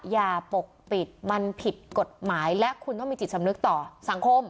อย่าปกปิดมันผิดกฎหมายและคุณต้องมีจิตสำนึกต่อสังคม